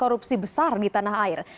korupsi besar di tanah air